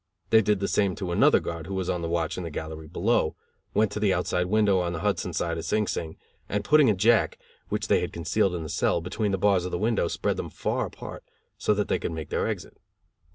They did the same to another guard, who was on the watch in the gallery below, went to the outside window on the Hudson side of Sing Sing, and putting a Jack, which they had concealed in the cell, between the bars of the window, spread them far apart, so that they could make their exit.